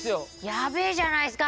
やべえじゃないっすか。